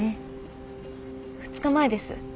２日前です。